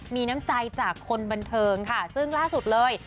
มีน้ำใจจากคนบันเทิงค่ะซึ่งล่าสุดเลย